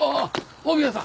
大宮さん。